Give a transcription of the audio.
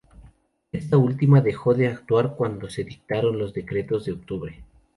Esta última dejó de actuar cuando se dictaron los decretos de octubre.